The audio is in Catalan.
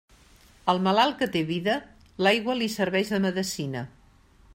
Al malalt que té vida, l'aigua li serveix de medecina.